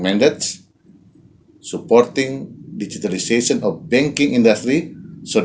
mendukung digitalisasi industri bank